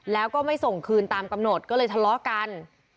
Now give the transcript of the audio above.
แล้วก็ไม่ส่งคืนตามกำหนดก็เลยทะเลาะกัน